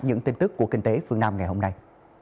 những tin tức của kinh tế phương nam ngày hôm nay